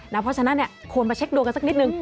เพราะฉะนั้นเนี่ยควรไปเช็กดูกันสักนิดนึง